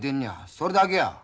それだけや。